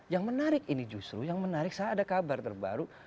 yang menarik ini justru yang menarik saya ada kabar terbaru